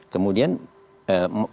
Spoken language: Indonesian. kemudian perbaikan yang kedua